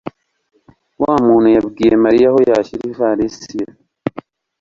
Wa muntu yabwiye Mariya aho yashyira ivalisi ye.